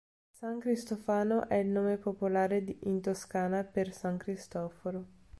San "Cristofano" è il nome popolare in Toscana per san Cristoforo.